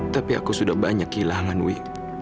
tapi aku sudah banyak kehilangan wi